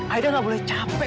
aida nggak boleh capek